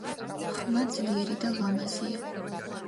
ხმა ძლიერი და ლამაზია.